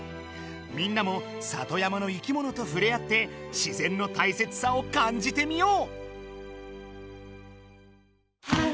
みんなも里山の生きものとふれ合って自然のたいせつさをかんじてみよう！